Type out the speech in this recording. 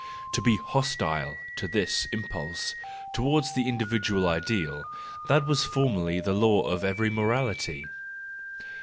To be hostile to this impulse towards the individual ideal,—that was formerly the law of every morality.